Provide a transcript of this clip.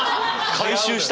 回収した。